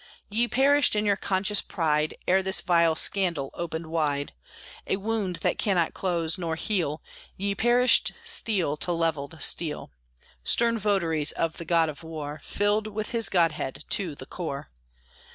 Ye perished in your conscious pride, Ere this vile scandal opened wide A wound that cannot close nor heal. Ye perished steel to levelled steel, Stern votaries of the god of war, Filled with his godhead to the core!